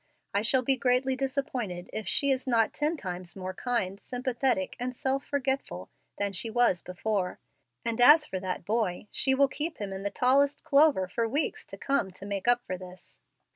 I shall be greatly disappointed if she is not ten times more kind, sympathetic, and self forgetful than she was before; and as for that boy, she will keep him in the tallest clover for weeks to come, to make up for this.